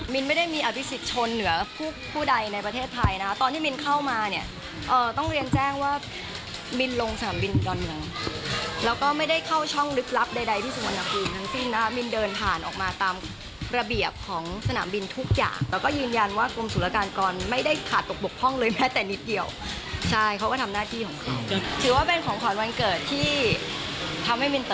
มินไม่ได้มีอภิกษิชนเหนือผู้ใดในประเทศไทยนะตอนที่มินเข้ามาเนี่ยต้องเรียนแจ้งว่ามินลงสนามบินดอนเมืองแล้วก็ไม่ได้เข้าช่องลึกลับใดที่สุวรรณภูมิทั้งสิ้นนะมินเดินผ่านออกมาตามระเบียบของสนามบินทุกอย่างแล้วก็ยืนยันว่ากลมศูนยาการกรไม่ได้ขาดตกบกพ่องเลยแม้แต่นิดเดียวใช่เขาก็ทำหน้